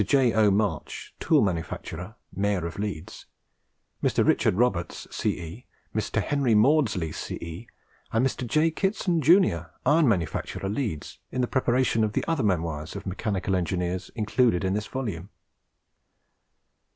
J. O. March, tool manufacturer (Mayor of Leeds), Mr. Richard Roberts, C.E., Mr. Henry Maudslay, C.E., and Mr. J. Kitson, Jun., iron manufacturer, Leeds, in the preparation of the other memoirs of mechanical engineers included in this volume.